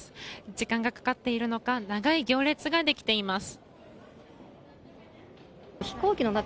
時間がかかっているのか長い行列ができています。